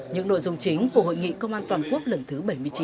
những nội dung chính của hội nghị công an toàn quốc lần thứ bảy mươi chín